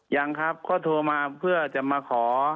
ยังครับก็โทรมาเพื่อจะมาขอ